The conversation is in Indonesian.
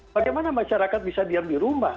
bagaimana masyarakat bisa diam di rumah